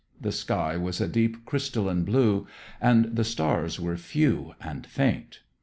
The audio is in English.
The sky was a deep, crystalline blue, and the stars were few and faint.